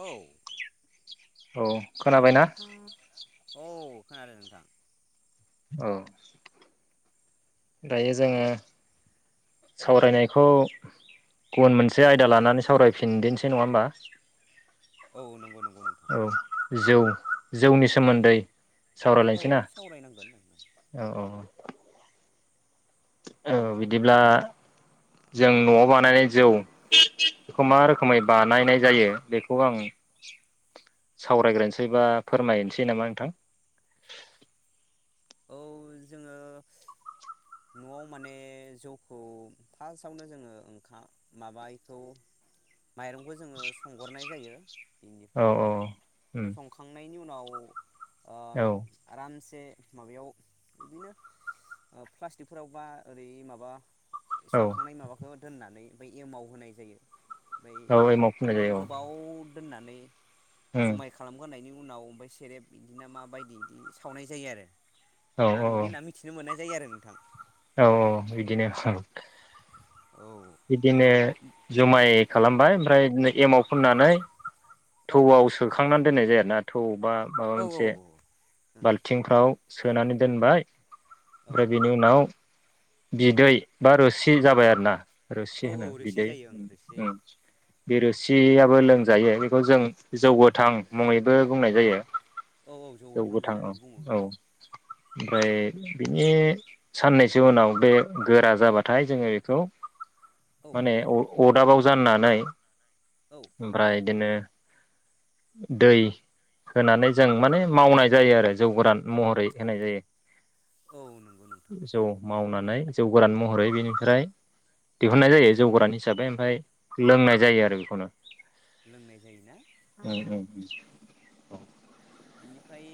औ। [unintelligible] औ खोनाबाय ना? खोनादों नोंथां औ दायो जोङो। सावरायनायखौ गुबन मोनसे औ आयदा लानानै सावरायफिन थिनदिनसो नङा होमबा? औ नंगौ नंगौ नोंथां। औ जौ जौनि सोमोन्दै। औ सावरायलायनोसै ना सावरायनांगोन नोंथां औ औ। औ बिदिब्ला जों न'आव बानायनाय जौ बेखौ मा रोखोमै बानायनाय जायो बेखौ आं सावरायग्रोनोसै बा फोरमायनोसै नामा नोंथां? औ जोङो न'आव माने जौखौ फार्स्टआवनो जोङो ओंखाम माबाखौ माइरंखौ जोङो संगोरनाय जायो। औ बिनिफ्राय औ उम संखांनायनि उनाव ओ आरामसे माबायाव बिदिनो प्लास्टिकफोराव बा ओरै माबा औ संखांनाय माबाखौ दोननानै ओमफ्राय एमाव होनाय जायो। ओमफ्राय औ एमाव फुननाय बिदिनो जायो औ गोबाव। दोननानै उम जुमाय खालामगोरनायनि उन उनाव ओमफ्राय सेरेब इदिनो माबायदि बिदि सावनाय जायो आरो। औ आं औ बिदि होनना मिथिनो मोननाय जायो आरो नोंथां। औ औ बिदिनो औ। औ बिदिनो जुमाय खालामबाय ओमफ्राय बिदिनो एमाव फोननानै औ थौआव सोखांनानै दोननाय जायोना थौ बा माबा औ मोनसे बाल्थिंफ्राव सोनानै दोनबाय। औ ओमफ्राय बेनि उनाव औ बिदै बा रोसि जाबाय आरोना। औ रोसि होनो रोसि बिदै जायो ओं उम रोसि जायो बिरोसियाबो लोंजायो बेखौ जों जौगोथां मुङैबो बुंनाय जायो। औ औ जौ जौगोथां गोथां औ होननानै बुङो औ। ओमफ्राय बिनि साननैसो उनाव। बे गोरा जाबाथाय जोङो बेखौ औ माने अरदाबाव जाननानै औ ओमफ्राय बिदिनो दै होनानै जों माने मावनाय जायो आरो जौ गोरान महरै होनाय जायो। औ नंगौ नोंथां गोसौ मावना [unintelligible] जौ गोरान महरै बेनिफ्राय दिहुननाय जायो जौ गोरान हिसाबै ओमफ्राय लोंनाय जायो आरो बेखौनो लोंनाय जायोना। औ बिनिफ्राय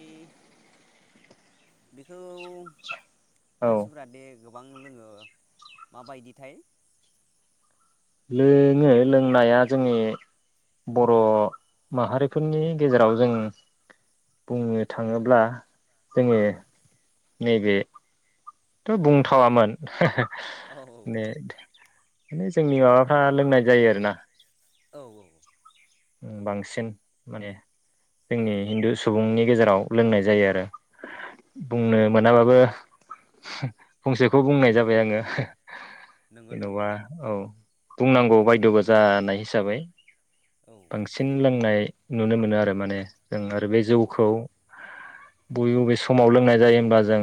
बे थौ औ मानसिफोरा बे गोबां लोङो माबायदिथाय लोङो लोंनाया जोंनि बर' माहारिफोरनि गेजेराव जों बुंनो थाङोब्ला जोङो औ नैबे थ' बुंथावामोन औ [unintelligible] माने माने जोंनि माबाफ्रा लोंनाय जायो आरो ना। औ औ ओ बांसिन माने जोंनि ओं हिन्दु सुबुंनि गेजेराव लोंनाय जायो आरो बुंनो मोनाबाबो फंसेखौ बुंनाय जाबाय आङो‌। नंगौ नंगौ जेन'बा नोंथां औ। बुंनांगौ बायद' बो जानाय हिसाबै औ बांसिन लोंनाय नुनो मोनो आरो माने जों आरो बे औ जौखौ बबे बबे समाव लोंनाय जायो होमबा जों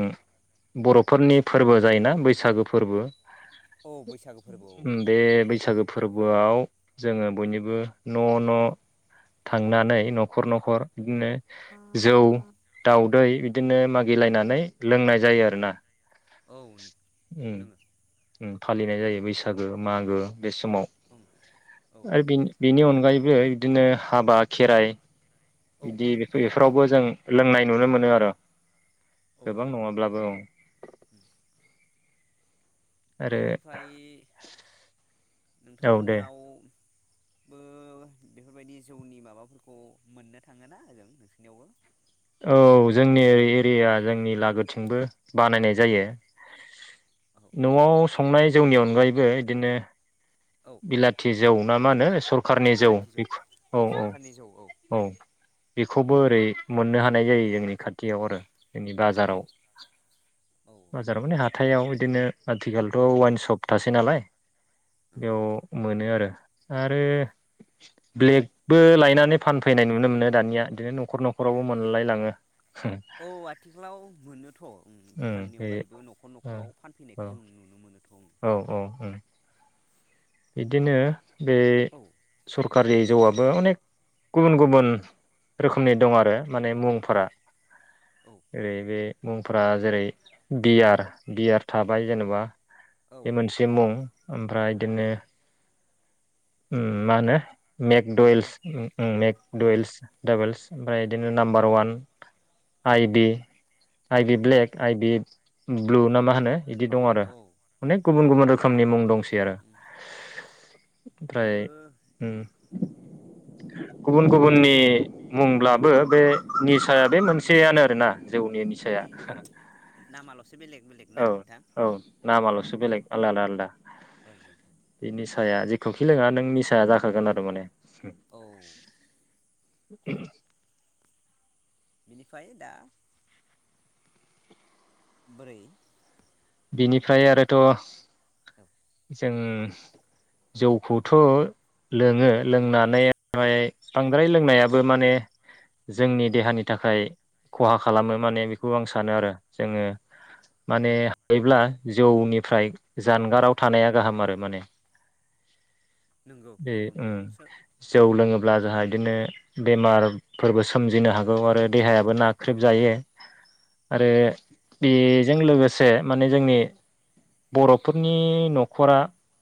बर'फोरनि फोरबो जायोना बैसागो फोरबो औ बैसागो फोरबोआव ओं बेे बैसागु फोरबोआव जोङो बयनिबो न' न' थांनानै न'खर न'खर बिदिनो जौ दाउदै बि बिदिनो मागिलायनानै लोंनाय जायो आरो ना औ लोङो फालिनाय जायो बैसागो मागो बे समाव ओं औ आरो बेनि बेनि अनगा अनगायैबो बिदिनो हाबा खेराइ औ बिदि बे फैयो फोरावबो जों लोंनाय नुनो मोनो आरो औ गोबां नङाब्लाबो औ आरो बिनिफ्राय औ दे नोंथांमोननियाव ओ बेफोरबायदि जौनि माबाफोरखौ मोननो थाङो ना नोंसोरनियावबो औ जोंनि एरिया जोंनि लागोथिंबो बानायनाय जायो औ नआव संनाय जौनि अनगायैबो बिदिनो औ बिलाथि जौ ना मा होनो स सरकारनि जौ बेखौ औ औ औ बेखौबो ओरै मोननो हानाय जायो जोंनि खाथियाव आरो जोंनि औ बाजाराव औ बाजाराव माने हाथायाव बिदिनो आथिखालथ औ वाइन सप थासै नालाय ओं बेयाव मोनो आरो आरो औ ब्लेकबो लायनां फान फैनाय नुनो मोनो दानिया बिदिनो नखर नखर नखरावबो मोनलायलाङो औ आथिखालाव मोनोथ उम दखाननि अनगायैबो नखर नखराव फानफैनायखौ जों नुनो मोनो औ औ उम बिदिनो बे औ सरकारि जौवा बो अनेख गुबुन गुबुन रोखोमनि दं आरो माने मुंफोरा औ औ ओरै बे मुंफोरा जेरै बियार बियार थाबाय जेनेबा औ बे मोनसे मुं ओमफ्राय उम बिदिनो उम मानो ब्लेक मेकडयेल्स औ मेकदयेल्स [unintelligible] ओमफ्राय बिदिनो नाम्बार वान आइ बि आइ औ बि ब्लेक आइ बि ब्लु ना मा होनो बिदि दं आरो औ अनेक गुबुन गुबुन रोखोमनि मुं दंसै आरो उम [inaudible] ओमफ्राय दङो उम। गुबुन गुबुननि मुंब्लाबो बे निसाया बे मोनसेयानो आरोना जौनि निसाया उम नामाल'सो बेलेग बेलेग ना औ नोंथां औ नामाल'सो औ बेलेग आलादा आलादा। ओं ओं निसाया जेखौखि लोङा नों निसाया जाखागोन आरो माने औ [unintelligible] [unintelligible] बेनिफ्राय दा बोरै बिनिफ्राय आरोथ' औ जों जौखौथ' लोङो लोंनानै बांद्राय लोंनायाबो माने जोंनि देहानि थाखाय खहा खालामो माने बेखौ आं सानो आरो जोङो माने। औ बिदिब्ला जौनिफ्राय जानगाराव थानाया गाहाम आरो माने नंगौ बे नंगौ ओ नोंथां सोर जौ लोङोब्ला जाहा बिदिनो बेमारफोरबो सोमजिनो हागौ आरो देहायाबो नाख्रेब जायो आरो बेजों लोगोसे से माने जोंनि बर'फोरनि न'खरा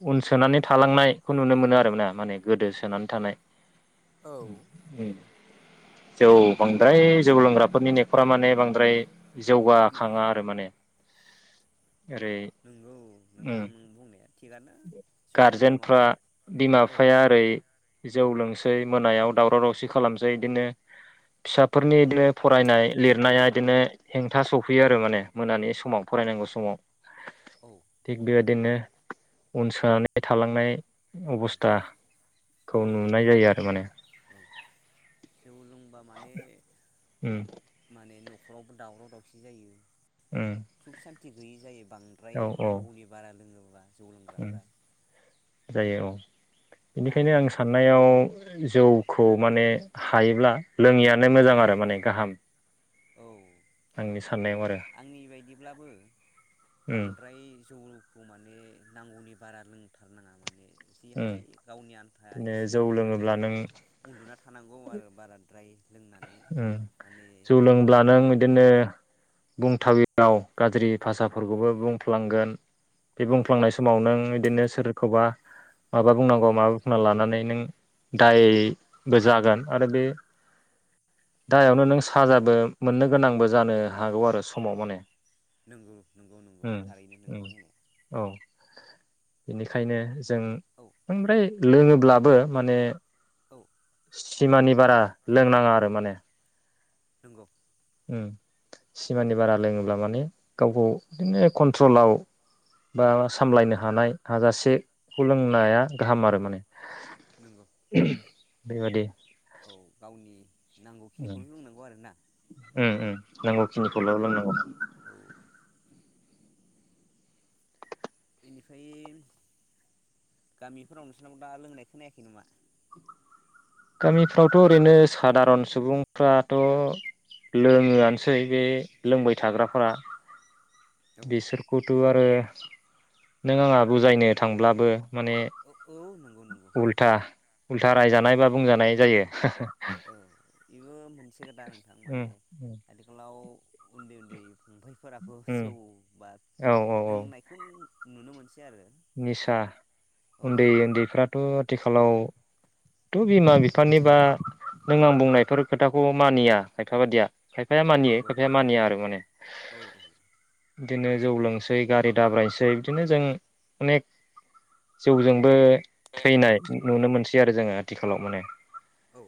उन सोनानै थालांनायखौ नुनो मोनो आरोना माने गोदो सोनानै थानाय। औ [unintelligible] उम जौ बांद्राय जौ लोंग्राफोरनि नखरा माने बांद्राय मो जौगाखाङा आरो माने ओरै नंगौ उम नोंथां बुंनाया थिगानो जौ लोंबा गारजेनफ्रा माने बिमा औ। बिफाया ओरै जौ लोंसै मोनायाव दावराव दावसि खालामसै बिदिनो फिसाफोरनि बिदिनो फरायनाय लिरनाया बिदिनो हेंथा सफैयो आरो माने मोनानि समाव फरायनांगौ समाव। औ थिग बेबायदिनो उन सोनानै थालांनाय अबस्थाखौ औ नुनाय नंगौ जायो आरो माने। औ [unintelligible] उम न'खरावबो दावराव दावसि जायो उम गिबियै जायो। बांद्राय औ औ नांगौनि बारा लोङोब्ला। जौ उम लोंग्राफ्रा जायो औ बेनिखायनो आं साननायाव जौखौ माने हायोब्ला। लोङियानो औ मोजां आरो माने गाहाम औ आंनि साननायाव आरो आंनि बायदिब्लाबो उम बांद्राय जौ रौखौ माने नांगौनि बारा लोंथारनाङा माने एसे उम हायै गावनि आन्था बिदिनो एसे जौ लोंनानै लोङोब्ला नों उन्दुना थानांगौ आरो बाराद्राय लोंनानै ओं माने जौ लोंब्ला न'खरफ्राव नों इदिनो बुंथावि राव गाज्रि भाषाफोरखौबो बुंफ्लांगोन बे उम बुंफ्लांनाय समाव नों बिदिनो सोरखौबा माबा औ बुंनांगौ माबा बुंना लानानै नों दायबो जागोन आरो बे दायावनो नों साजाबो मोननो गोनांबो जानो हागौ आरो समाव माने नंगौ नंगौ नंगौ उम थारैनो उम नोंथां बुंनाया औ बेनिखायनो जों औ बांद्राय लोङोब्लाबो माने औ सिमानि बारा लोंनां आरो माने नंगौ सिमानि बारा लोङोब्ला माने गावखौ बिदिनो कन्ट्रलाव बा सामलायनो हानाय हाजासेखौ लोंनाया गाहाम आरो माने नंगौ बेबायदि उम नांगौखिनिखौनो लोंनांगौ आरो ना उम नांगौखिनिखौल लोंनांगौ बेनिफ्राय गामिफोराव नोंसोरनाव दा लोंनाय खोनायाखै नामा? गामिफ्रावथ' ओरैनो सादारन सुबुंफ्राथ' लोङोआनोसै बे लोंबाय थाग्राफोरा औ बिसोरखौथ' आरो नों आङाथबुजायनो थांब्लाबो माने औ औ नंगौ नंगौ उल्था उल्था रायजानाय बा बुंजानाय जायो [inaudible] औ बेबो मोनसे खोथा नोंथां उम माने उम आथिखालाव उन्दै उन्दै फंबायफोराबो उम जौ बा औ औ औ लोंनायखौ नुनो मोनसै आरो निसा औ उन्दै उन्दैफ्राथ' आथिखालाव थ' बिमा बिफानिबा नों आं बुंनायफोर खोथाखौ मानिया खायफा बादिया खायफाया मानियो नंगौ खायफाया मानिया आरो माने औ बिदिनो जौ लोंसै गारि दाब्रायसै बिदिनो जों अनेक जौजोंबो थैनाय नुनो मोनसै आरो आरो जोङो आथिखालाव माने औ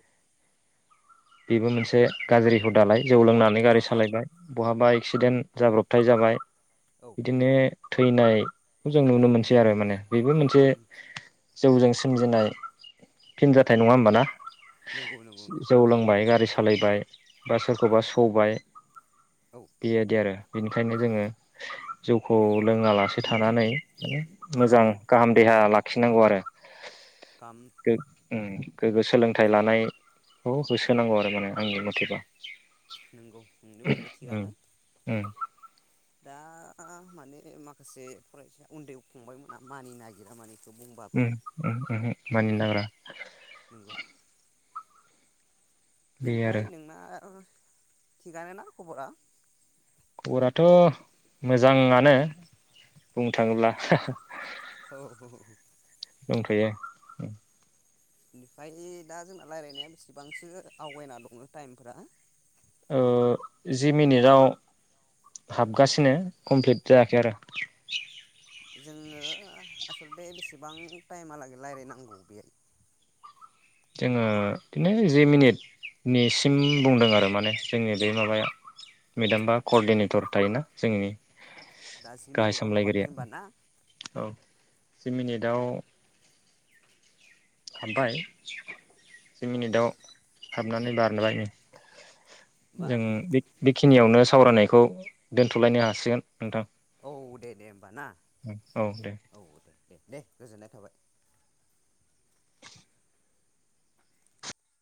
बेबो मोनसे गाज्रि हुदालाय जौ लोंनानै गारि सालायबाय बहाबा एक्सिडेन्ट जाब्रबथाय जाबाय औ बिदिनो थैनायखौ जों नुनो मोनसै आरो माने बेबो मोनसे जौजों सोमजिनाय फिन जाथाय नङा होमबाना नंगौ नंगौ नोंथां जौ लोंबाय गारि सालायबाय बा सोरखौबा सौबाय औ बेबायदि आरो बिनिखायनो जोङो जौखौ लोङालासे थानानै औ मोजां गाहाम देहा ला गिनांगौ आरो [unintelligible] ओम गोग्गो सोलोंथाइ लानायखौ गोसो होनांगौ आरो माने आंनि मथेबा नोंगौ नोंनि बुंनाय उम थिगानो उम दा माने माखासे फरायसाया उन्दै फंबायमोना मानि नागिरा माने बेखौ बुंबाबो उम उमहो मानिनो नागेरा [inaudible] नंगौ बे बिनिफ्राय आरो नोंना थिगानोना खबरा खबराथ' मोजाङानो बुंनो थाङोब्ला औ औ दंथ'यो बिनिफ्राय दा जोंना रायज्लायनाया बेसेबांसो आवगायना दङ टाइमफोरा ओ जि मिनिटाव हाबगासिनो कमप्लिट जायाखै आरो जोङो आसलथे बेसेबां टाइमहालागै रायज्लायनांगौ बे जोङो बिदिनो जि मिनिटनिसिम बुंदों आरो माने जोंनि बे माबाया मेदाम्बा क औ अर्डिनेटर थायोना जोंनि दा जि गाहाय मिनिटआव हाबाखै सामलायगिरिया होनबा ना औ जि मिनिट [unintelligible] हाबबाय जि औ मिनिटआव हाबनानै [unintelligible] होमबा जोङो [unintelligible] बे खिनियावनो सावरायनायखौ दोनथ'लायनो हासिगोन नोंथां औ दे दे ना औ दे औ दे दे दे गोजोननाय थाबाय